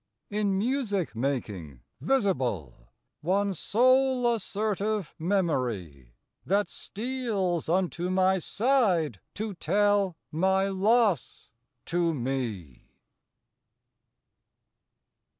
In music making visible One soul assertive memory, That steals unto my side to tell My loss to me.